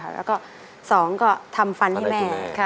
แล้วก็๒ก็ทำฟันให้แม่